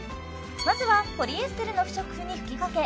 まずはポリエステルの不織布に吹きかけ